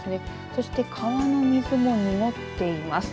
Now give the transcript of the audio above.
そして川の水も濁っています。